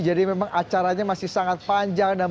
jadi memang acaranya masih sangat panjang